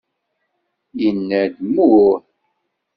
Inna-d: Mmuh!